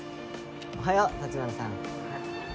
おはよう橘さん。